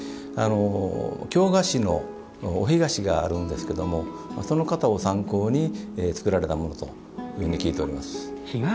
京菓子のお干菓子があるんですけどもその型を参考に作られたものと聞いています。